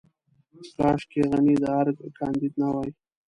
کاشکې غني د ارګ کانديد نه وای.